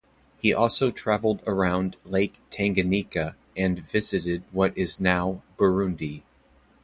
He also travelled around Lake Tanganyika and visited what is now Burundi.